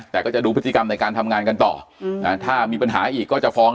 แต่ก็จะดูพฤติกรรมในการทำงานกันต่อถ้ามีปัญหาอีกก็จะฟ้อง